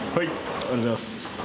ありがとうございます。